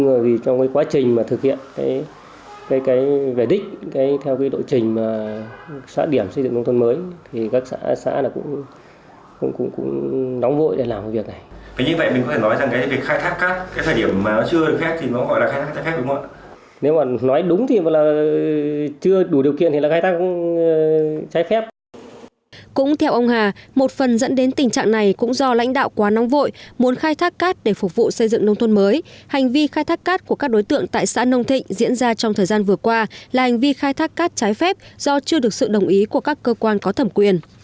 người dân ở khu vực khai thác cát phản ánh hành vi khai thác cát phản ánh hành vi khai thác cát của các đối tượng tại xã nông thịnh diễn ra trong thời gian vừa qua là hành vi khai thác cát trái phép do chưa được sự đồng ý của các cơ quan